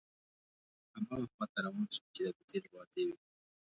هماغه خواته روان شوم چې د کوڅې دروازې وې.